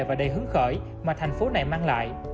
và đầy hứng khởi mà thành phố này mang lại